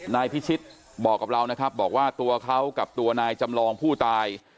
นายพิชิตบอกกับเรานะครับบอกว่าตัวเขากับตัวนายจำลองผู้ตาย